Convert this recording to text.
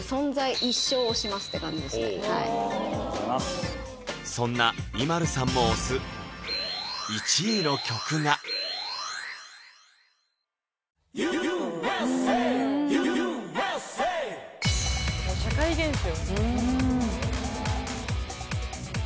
今そんなＩＭＡＬＵさんも推す１位の曲が社会現象